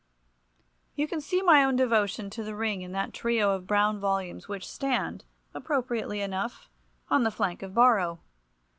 You can see my own devotion to the ring in that trio of brown volumes which stand, appropriately enough, upon the flank of Borrow.